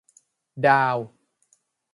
ดาวน์